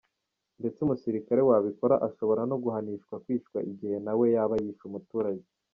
Ndetse umusirikare wabikora ashobora no guhanishwa kwicwa igihe nawe yaba yishe umuturage.